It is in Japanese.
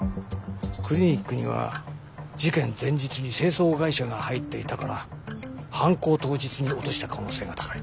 クリニックには事件前日に清掃会社が入っていたから犯行当日に落とした可能性が高い。